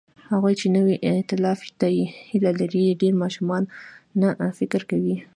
هغوی چې نوي ائتلاف ته هیله لري، ډېر ماشومانه فکر کوي.